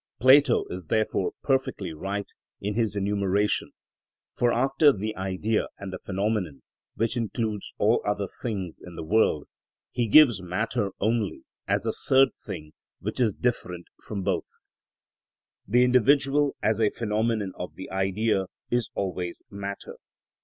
Plato is therefore perfectly right in his enumeration, for after the Idea and the phenomenon, which include all other things in the world, he gives matter only, as a third thing which is different from both (Timaus, p. 345). The individual, as a phenomenon of the Idea, is always matter.